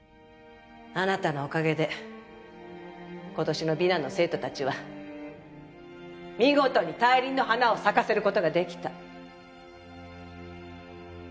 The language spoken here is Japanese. あなたのおかげで今年の美南の生徒たちは見事に大輪の花を咲かせる事ができた。